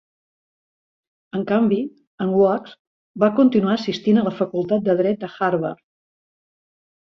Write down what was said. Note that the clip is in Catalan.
En canvi, en Wax va continuar assistint a la Facultat de Dret de Harvard .